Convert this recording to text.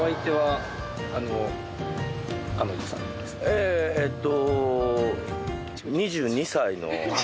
えっと。